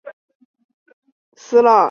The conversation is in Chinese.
佟兆元自奉天高等师范学校毕业。